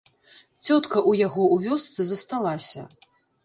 Цётка ў яго ў вёсцы засталася.